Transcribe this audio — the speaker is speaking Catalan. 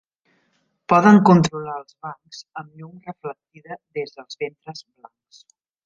Poden controlar els bancs amb llum reflectida des dels ventres blancs.